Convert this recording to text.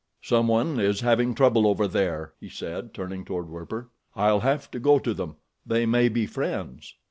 "Someone is having trouble over there," he said, turning toward Werper. "I'll have to go to them—they may be friends."